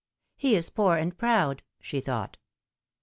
" He is poor and proud," she thought.